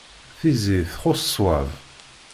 Tiziri txuṣṣ ṣṣwab.